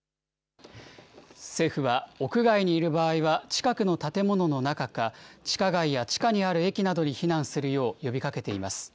政府は屋外にいる場合は、近くの建物の中か、地下街や地下にある駅などに避難するよう呼びかけています。